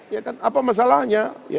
ya kan apa masalahnya